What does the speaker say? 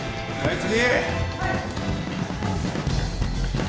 はい次！